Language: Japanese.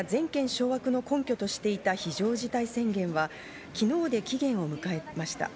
ミャンマー軍が全権掌握の根拠としていた非常事態宣言は、昨日で期限を迎えました。